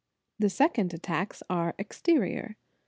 "* The second attacks are exterior.